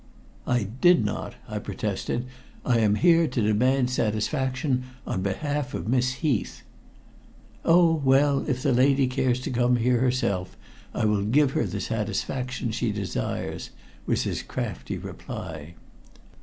"I did not," I protested. "I am here to demand satisfaction on behalf of Miss Heath." "Oh! well, if the lady cares to come here herself, I will give her the satisfaction she desires," was his crafty reply.